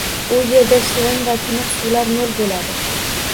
U yerda shirin va tiniq suvlar mo‘l bo‘ladi